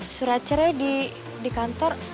surat cerai di kantor